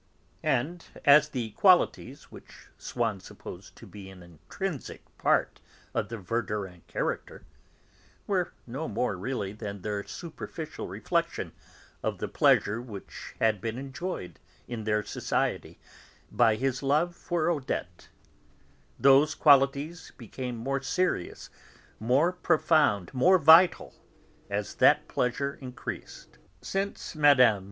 And as the qualities which he supposed to be an intrinsic part of the Verdurin character were no more, really, than their superficial reflection of the pleasure which had been enjoyed in their society by his love for Odette, those qualities became more serious, more profound, more vital, as that pleasure increased. Since Mme.